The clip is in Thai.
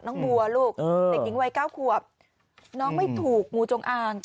น้องบัวลูกเด็กหญิงวัย๙ขวบน้องไม่ถูกงูจงอาง